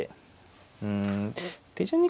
うん手順にこう